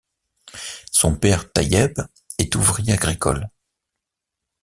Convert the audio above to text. Son père, Taïeb, est ouvrier agricole.